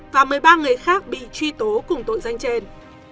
và một mươi ba người khác bị truy tố cùng tội danh trên